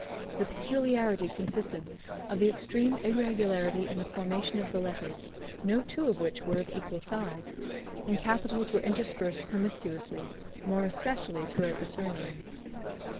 The peculiarity consisted of the extreme irregularity in the formation of the letters, no two of which were of equal size; and capitals were interspersed promiscuously, more especially throughout the surname.